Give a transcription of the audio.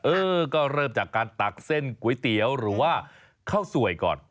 เออก็เริ่มจากการตักเส้นก๋วยเตี๋ยวหรือว่าข้าวสวยก่อน